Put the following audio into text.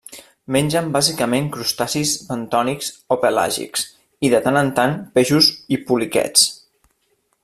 Mengen bàsicament crustacis bentònics o pelàgics, i, de tant en tant, peixos i poliquets.